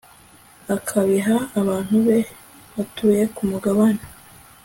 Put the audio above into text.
akabiha abantu be batuye ku mugabane